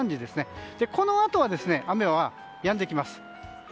このあとは雨はやんできます。